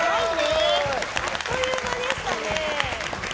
あっという間でしたね。